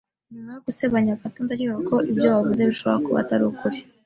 Nyuma yo gusebanya gato, ndakeka ko ibyo wavuze bishobora kuba atari ukuri.